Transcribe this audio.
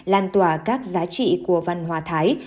lan tỏa các giá trị của văn hóa thái